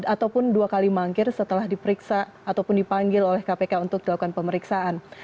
ataupun dua kali mangkir setelah diperiksa ataupun dipanggil oleh kpk untuk dilakukan pemeriksaan